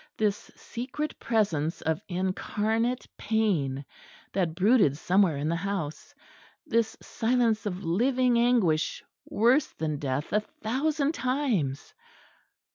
this secret presence of incarnate pain that brooded somewhere in the house, this silence of living anguish, worse than death a thousand times!